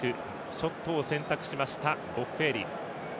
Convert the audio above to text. ショットを選択しましたボッフェーリ。